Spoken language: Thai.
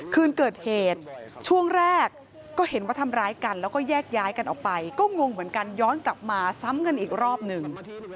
คืนเกิดเหตุช่วงแรกก็เห็นว่าทำร้ายกันแล้วก็แยกย้ายกันออกไปก็งงเหมือนกันย้อนกลับมาซ้ำกันอีกรอบหนึ่ง